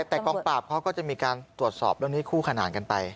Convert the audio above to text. แต่กองปราบเขาก็จะมีการตรวจสอบเรื่องนี้คู่ขนานกันไป